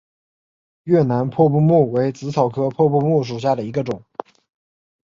越南破布木为紫草科破布木属下的一个种。